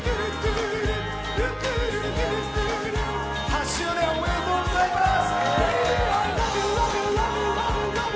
８周年おめでとうございます！